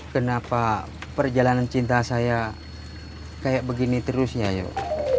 kenapa perjalanan cinta saya kayak begini terus ya yuk